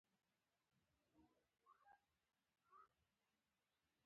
د تخار په خواجه بهاوالدین کې مالګه شته.